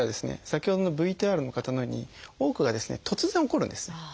先ほどのＶＴＲの方のように多くがですね突然起こるんです。